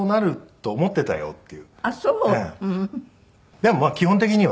でもまあ基本的には。